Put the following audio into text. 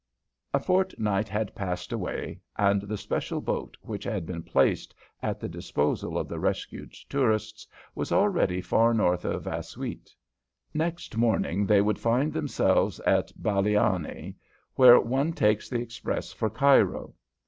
A fortnight had passed away, and the special boat which had been placed at the disposal of the rescued tourists was already far north of Assiout. Next morning they would find themselves at Baliani, where one takes the express for Cairo.